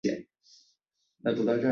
豪洛吉。